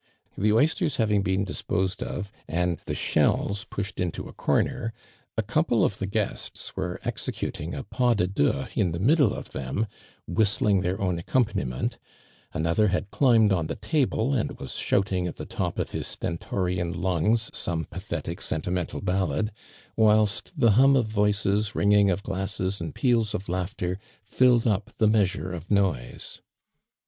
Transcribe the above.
The oysters having been disposed of and the shells pushed into a corner, a couple of the guests were execut ing a pasde deuK in the middle of then whisthng their own accompaniment; ai» other had climbed on the table, and was shouting at the top of his stentorian lungs some pathetic, sentimental ballad; wUlst the hum of voices, ringing of glasses and peals of laughter, tilled up the measure of noite.